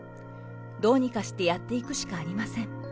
どうにかしてやっていくしかありません。